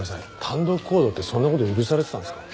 単独行動ってそんな事許されてたんですか？